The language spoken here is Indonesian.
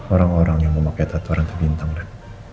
orang orang yang memakai tattoo ranta bintang dan